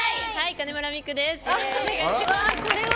金村美玖です。